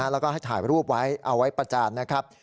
แล้วก็ให้ถ่ายรูปไว้เอาไว้ประจานนะครับ